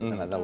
kita gak tahu